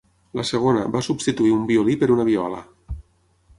La segona, va substituir un violí per una viola.